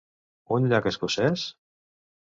Un llac escocès?